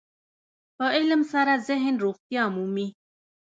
په علم سره ذهن روغتیا مومي.